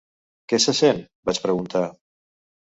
"Què se sent?" vaig preguntar.